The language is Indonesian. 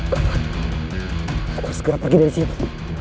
pak aku harus segera pergi dari sini